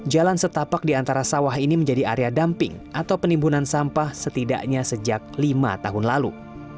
jalan setapak di antara sawah ini menjadi area dumping atau penimbunan sampah setidaknya sejak lima tahun lalu